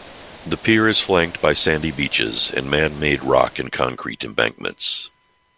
The pier is flanked by sandy beaches and man-made rock and concrete embankments.